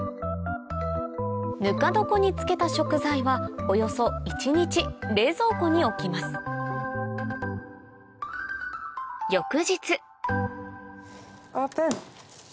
ぬか床に漬けた食材はおよそ１日冷蔵庫に置きますオープン！